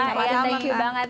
thank you banget